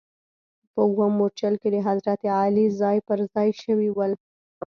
په اووم مورچل کې د حضرت علي ځاې پر ځا ې شوي ول.